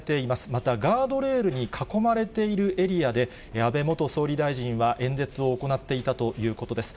また、ガードレールに囲まれているエリアで、安倍元総理大臣は演説を行っていたということです。